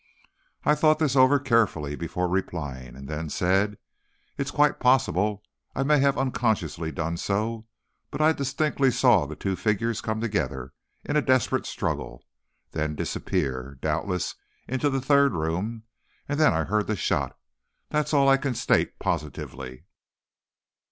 I thought this over carefully before replying, and then said: "It's quite possible I may have unconsciously done so. But I distinctly saw the two figures come together in a desperate struggle, then disappear, doubtless into the third room, and then I heard the shot. That is all I can state positively."